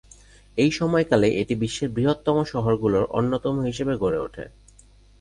এই সময়কালে এটি বিশ্বের বৃহত্তম শহরগুলোর অন্যতম হিসেবে গড়ে ওঠে।